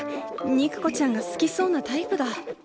肉子ちゃんが好きそうなタイプだ。